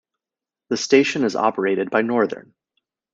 The station is operated by Northern.